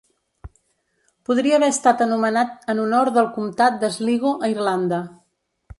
Podria haver estat anomenat en honor del Comtat de Sligo a Irlanda.